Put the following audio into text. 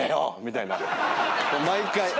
みたいな毎回。